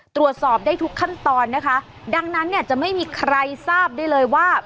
ตรวจสอบได้ทุกขั้นตอนนะคะดังนั้นเนี่ยจะไม่มีใครทราบได้เลยว่า